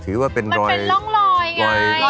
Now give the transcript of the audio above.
ถือว่าเป็นรอยรอยประวัติศาสตร์